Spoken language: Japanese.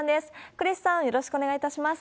クリスさん、よろしくお願いいたします。